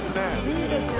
いいですよ。